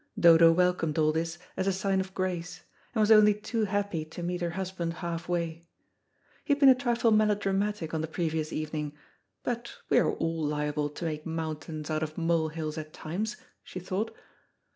Dodo welcomed all this as a sign of grace, and was only too happy to meet her husband half way. He had been a trifle melodramatic on the previous evening, but we are all liable to make mountains out of molehills at times, she thought.